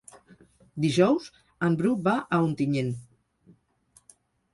Dijous en Bru va a Ontinyent.